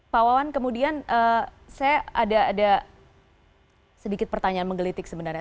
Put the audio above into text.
pak wawan kemudian saya ada sedikit pertanyaan menggelitik sebenarnya